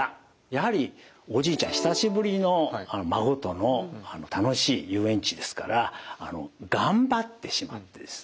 やはりおじいちゃん久しぶりの孫との楽しい遊園地ですから頑張ってしまってですね